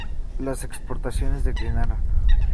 Las exportaciones declinaron.